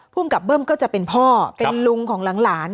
พวกเบิ้มก็จะเป็นพ่อเป็นรุงหลังกาย